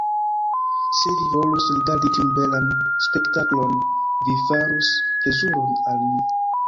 Se vi volus rigardi tiun belan spektaklon, vi farus plezuron al mi.